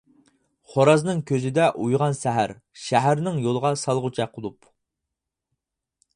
خورازنىڭ كۆزىدە ئۇيۇغان سەھەر، شەھەرنىڭ يولىغا سالغۇچە قۇلۇپ.